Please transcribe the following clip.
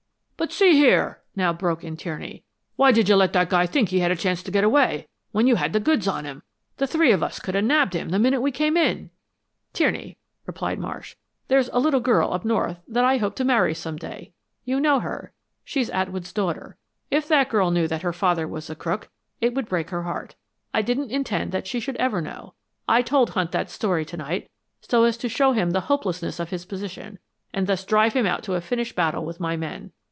"But see here," now broke in Tierney. "Why did you let that guy think he had a chance to get away, when you had the goods on him? The three of us could have nabbed him the minute we came in." "Tierney," replied Marsh, "there's a little girl up north that I hope to marry some day. You know her she's Atwood's daughter. If that girl knew that her father was a crook it would break her heart. I didn't intend that she should ever know. I told Hunt that story tonight so as to show him the hopelessness of his position, and thus drive him out to a finish battle with my men.